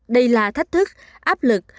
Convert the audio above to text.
đây là thách thức áp lực